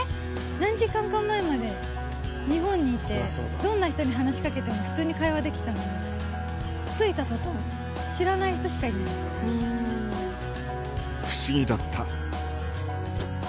何時間か前まで日本にいて、どんな人に話しかけても普通に会話できたのに、着いたとたん、不思議だった。